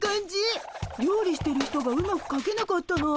料理してる人がうまくかけなかったの。